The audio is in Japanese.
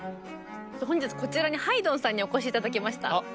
本日こちらにハイドンさんにお越し頂きました。